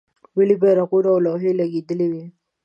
ملی بیرغونه او لوحې لګیدلې وې.